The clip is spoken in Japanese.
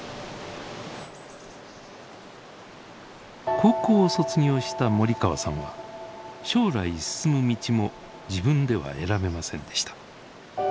高校を卒業した森川さんは将来進む道も自分では選べませんでした。